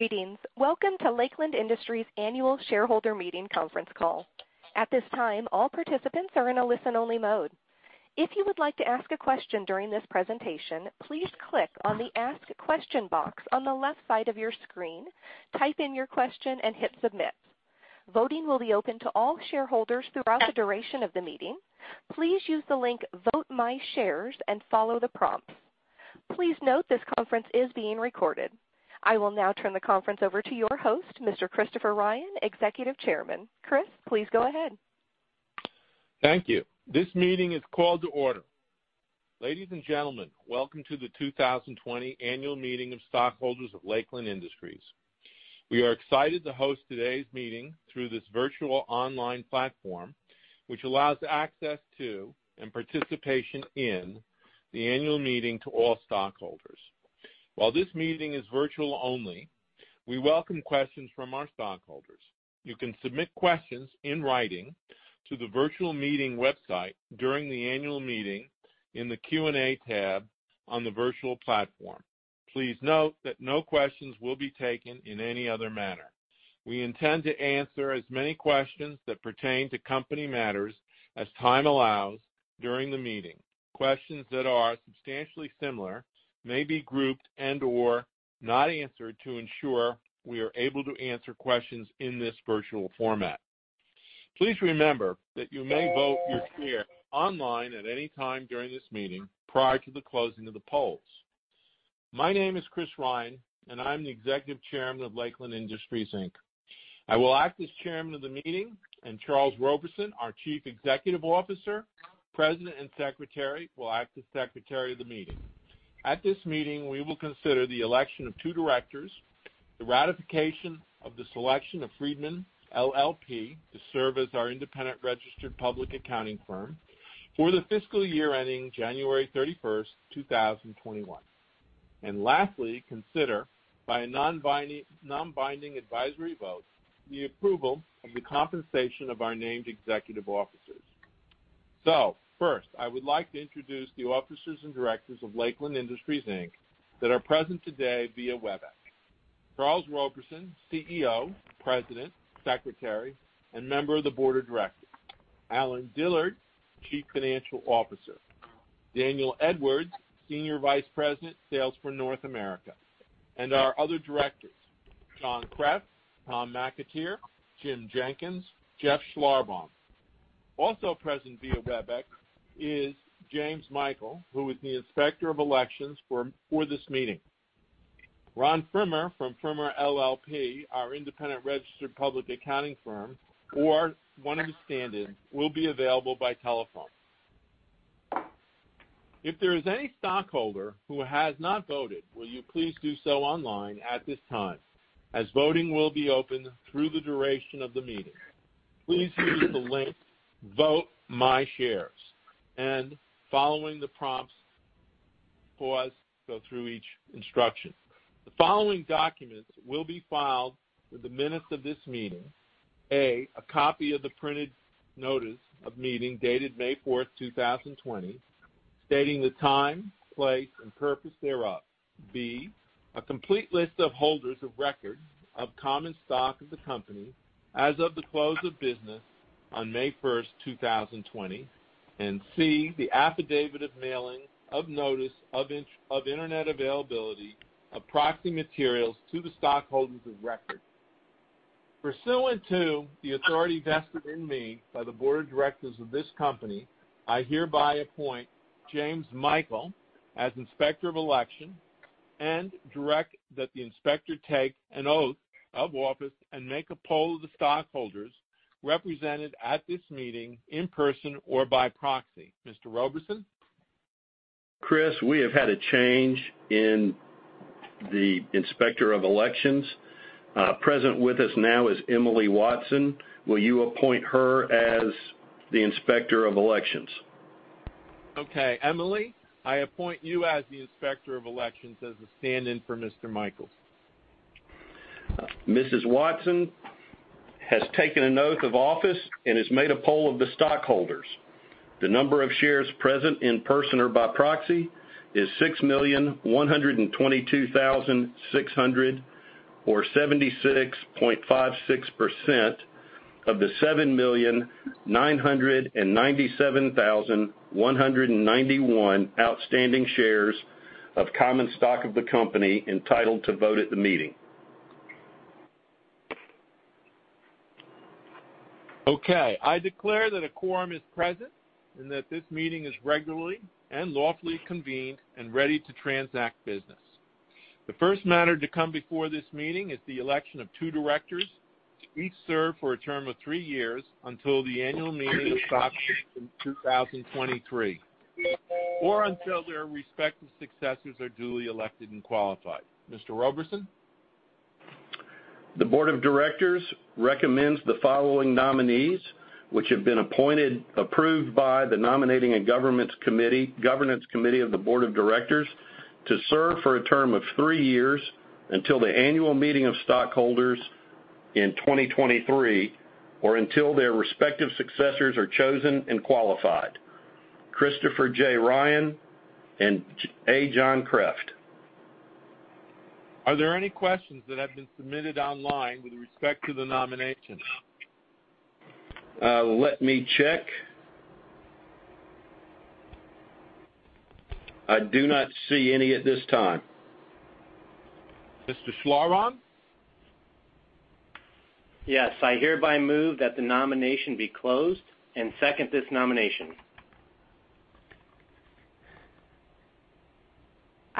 Greetings. Welcome to Lakeland Industries' Annual Shareholder Meeting conference call. At this time, all participants are in a listen-only mode. If you would like to ask a question during this presentation, please click on the Ask Question box on the left side of your screen, type in your question and hit Submit. Voting will be open to all shareholders throughout the duration of the meeting. Please use the link Vote My Shares and follow the prompts. Please note this conference is being recorded. I will now turn the conference over to your host, Mr. Christopher Ryan, Executive Chairman. Chris, please go ahead. Thank you. This meeting is called to order. Ladies and gentlemen, welcome to the 2020 annual meeting of stockholders of Lakeland Industries. We are excited to host today's meeting through this virtual online platform, which allows access to and participation in the annual meeting to all stockholders. While this meeting is virtual only, we welcome questions from our stockholders. You can submit questions in writing to the virtual meeting website during the annual meeting in the Q&A tab on the virtual platform. Please note that no questions will be taken in any other manner. We intend to answer as many questions that pertain to company matters as time allows during the meeting. Questions that are substantially similar may be grouped and/or not answered to ensure we are able to answer questions in this virtual format. Please remember that you may vote your share online at any time during this meeting prior to the closing of the polls. My name is Chris Ryan, and I'm the Executive Chairman of Lakeland Industries, Inc. I will act as Chairman of the meeting, and Charles Roberson, our Chief Executive Officer, President, and Secretary, will act as Secretary of the meeting. At this meeting, we will consider the election of two directors, the ratification of the selection of Friedman LLP to serve as our independent registered public accounting firm for the fiscal year ending January 31st, 2021, and lastly, consider by a non-binding advisory vote, the approval of the compensation of our named executive officers. First, I would like to introduce the officers and directors of Lakeland Industries, Inc., that are present today via Webex. Charles Roberson, CEO, President, Secretary, and member of the Board of Directors. Allen Dillard, Chief Financial Officer. Daniel Edwards, Senior Vice President, Sales for North America, and our other directors, John Kreft, Tom McAteer, Jim Jenkins, Jeff Schlarbaum. Also present via Webex is James Michael, who is the Inspector of Elections for this meeting. Ron Frimmer from Friedman LLP, our independent registered public accounting firm, or one of the stand-ins, will be available by telephone. If there is any stockholder who has not voted, will you please do so online at this time, as voting will be open through the duration of the meeting. Please use the link Vote My Shares and following the prompts, pause, go through each instruction. The following documents will be filed with the minutes of this meeting. A, a copy of the printed notice of meeting dated May 4th, 2020, stating the time, place, and purpose thereof. B, a complete list of holders of record of common stock of the company as of the close of business on May 1st, 2020. C, the affidavit of mailing of notice of internet availability of proxy materials to the stockholders of record. Pursuant to the authority vested in me by the Board of Directors of this company, I hereby appoint James Michael as Inspector of Election and direct that the Inspector take an oath of office and make a poll of the stockholders represented at this meeting in person or by proxy. Mr. Roberson? Chris, we have had a change in the Inspector of Elections. Present with us now is Emily Watson. Will you appoint her as the Inspector of Elections? Okay. Emily, I appoint you as the Inspector of Elections as a stand-in for Mr. Michael. Mrs. Watson has taken an oath of office and has made a poll of the stockholders. The number of shares present in person or by proxy is 6,122,600, or 76.56% of the 7,997,191 outstanding shares of common stock of the company entitled to vote at the meeting. Okay. I declare that a quorum is present and that this meeting is regularly and lawfully convened and ready to transact business. The first matter to come before this meeting is the election of two directors to each serve for a term of three years until the annual meeting of stockholders in 2023 or until their respective successors are duly elected and qualified. Mr. Roberson? The Board of Directors recommends the following nominees, which have been approved by the Nominating and Governance Committee of the Board of Directors to serve for a term of three years until the annual meeting of stockholders in 2023 or until their respective successors are chosen and qualified, Christopher J. Ryan, and A. John Kreft. Are there any questions that have been submitted online with respect to the nominations? Let me check. I do not see any at this time. Mr. Schlarbaum? Yes, I hereby move that the nomination be closed and second this nomination.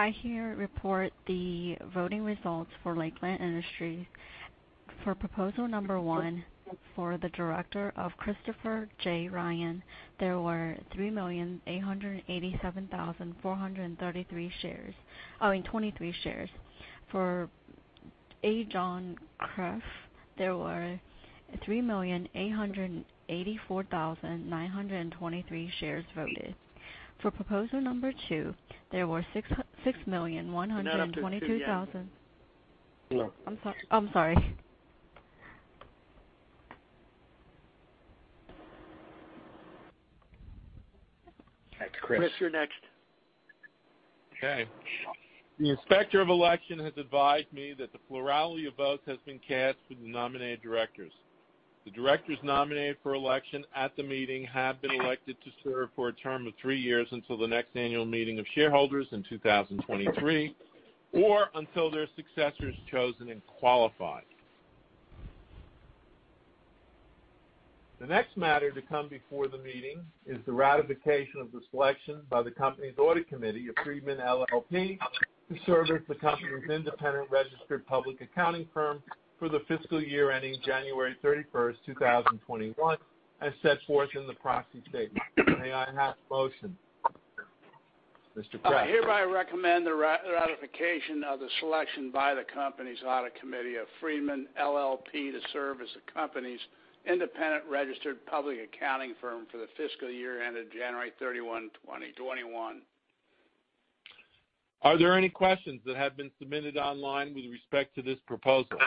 I here report the voting results for Lakeland Industries. For Proposal No. 1, for the director of Christopher J. Ryan, there were 3,887,423 shares. For A. John Kreft, there were 3,884,923 shares voted. For Proposal No. 2, there were 6,122,000 Is that up to two yet? No. I'm sorry. That's Chris. Chris, you're next. Okay. The Inspector of Election has advised me that the plurality of votes has been cast for the nominated directors. The directors nominated for election at the meeting have been elected to serve for a term of three years until the next annual meeting of shareholders in 2023, or until their successor is chosen and qualified. The next matter to come before the meeting is the ratification of the selection by the company's audit committee of Friedman LLP to serve as the company's independent registered public accounting firm for the fiscal year ending January 31st, 2021, as set forth in the proxy statement. May I have motion, Mr. Kreft? I hereby recommend the ratification of the selection by the company's audit committee of Friedman LLP to serve as the company's independent registered public accounting firm for the fiscal year ended January 31st, 2021. Are there any questions that have been submitted online with respect to this proposal?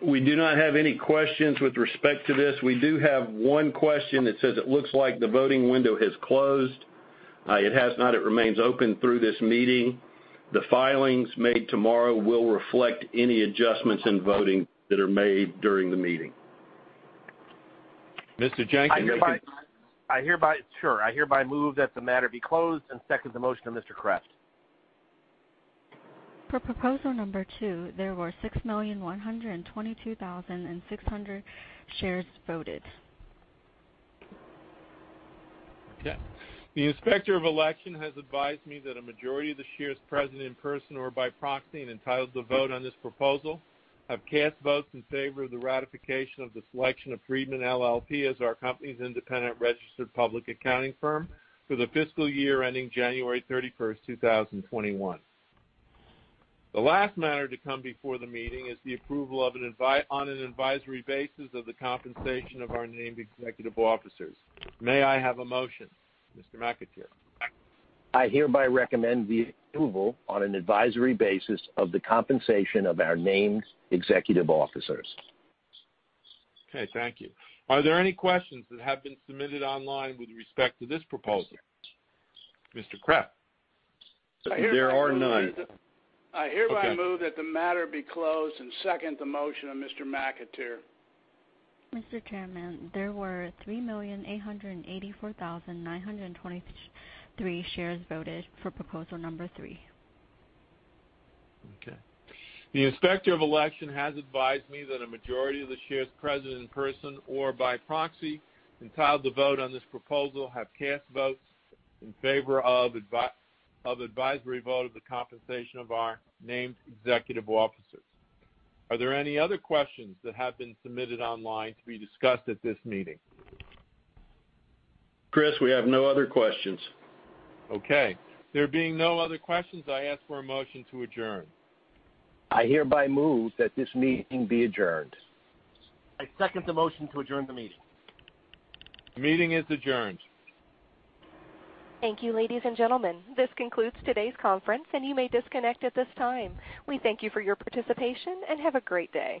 We do not have any questions with respect to this. We do have one question that says, "It looks like the voting window has closed." It has not. It remains open through this meeting. The filings made tomorrow will reflect any adjustments in voting that are made during the meeting. Mr. Jenkins. I hereby move that the matter be closed and second the motion of Mr. Kreft. For proposal number 2, there were 6,122,600 shares voted. Okay. The Inspector of Election has advised me that a majority of the shares present in person or by proxy and entitled to vote on this proposal have cast votes in favor of the ratification of the selection of Friedman LLP as our company's independent registered public accounting firm for the fiscal year ending January 31st, 2021. The last matter to come before the meeting is the approval on an advisory basis of the compensation of our named executive officers. May I have a motion, Mr. McAteer? I hereby recommend the approval on an advisory basis of the compensation of our named executive officers. Okay, thank you. Are there any questions that have been submitted online with respect to this proposal, Mr. Kreft? There are none. I hereby move that the matter be closed and second the motion of Mr. McAteer. Mr. Chairman, there were 3,884,923 shares voted for Proposal No. 3. The Inspector of Election has advised me that a majority of the shares present in person or by proxy entitled to vote on this proposal have cast votes in favor of advisory vote of the compensation of our named executive officers. Are there any other questions that have been submitted online to be discussed at this meeting? Chris, we have no other questions. Okay. There being no other questions, I ask for a motion to adjourn. I hereby move that this meeting be adjourned. I second the motion to adjourn the meeting. Meeting is adjourned. Thank you, ladies and gentlemen. This concludes today's conference, and you may disconnect at this time. We thank you for your participation, and have a great day.